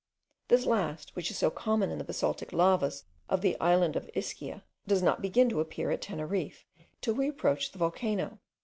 This last, which is so common in the basaltic lavas of the island of Ischia, does not begin to appear at Teneriffe, till we approach the volcano.